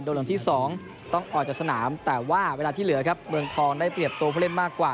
หลังที่๒ต้องออกจากสนามแต่ว่าเวลาที่เหลือครับเมืองทองได้เปรียบตัวผู้เล่นมากกว่า